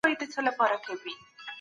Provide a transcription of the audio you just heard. موږ باید په خپلو افکارو کي خپلواک واوسو.